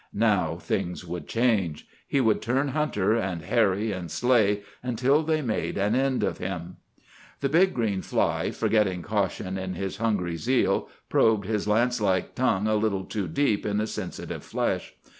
Now things would change. He would turn hunter, and harry and slay until they made an end of him. The big green fly, forgetting caution in his hungry zeal, probed his lance like tongue a little too deep in the sensitive flesh.